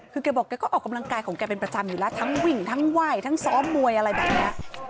คือแกบอกแกก็ออกกำลังกายของแกเป็นประจำอยู่แล้วทั้งวิ่งทั้งไหว้ทั้งซ้อมมวยอะไรแบบนี้